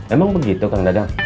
emang begitu kang dadang